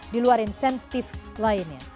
di luar insentif lainnya